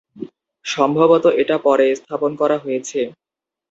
সম্ভবত এটা পরে স্থাপন করা হয়েছে।